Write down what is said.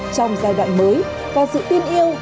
trong giai đoạn mới và sự tin yêu